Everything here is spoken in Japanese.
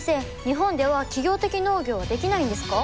日本では企業的農業はできないんですか？